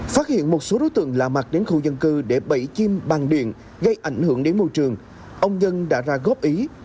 phát hiện một số đối tượng lạ mặt đến khu dân cư để bẫy chim bằng điện gây ảnh hưởng đến môi trường ông nhân đã ra góp ý